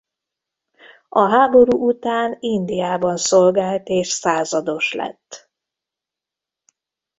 A háború után Indiában szolgált és százados lett.